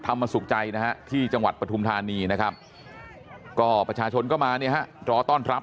ธรรมสุขใจและที่จังหวัดประธุมธรรณีนะครับก็ประชาชนก็มาเนี่ยฮะรอต้อนรับนะครับ